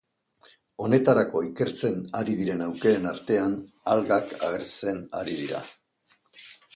Honetarako ikertzen ari diren aukeren artean algak agertzen ari dira.